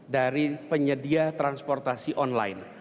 dari penyedia transportasi online